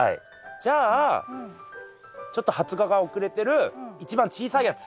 じゃあちょっと発芽が遅れてる一番小さいやつ。